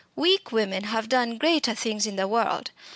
Weak women have done greater things in the world.